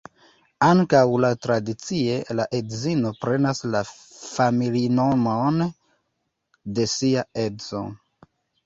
Ankaŭ laŭtradicie, la edzino prenas la familinomon de sia edzo.